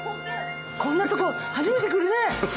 こんなとこ初めて来るね。